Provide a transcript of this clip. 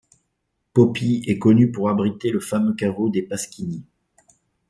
Poppi est connu pour abriter le fameux caveau des Pasquini.